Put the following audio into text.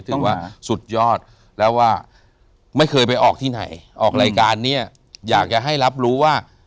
ถือว่าสุดยอดแล้วว่าไม่เคยไปออกที่ไหนออกรายการเนี่ยอยากจะให้รับรู้ว่า